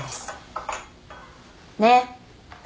ねっ。